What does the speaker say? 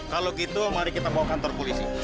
kalau gitu mari kita bawa kantor polisi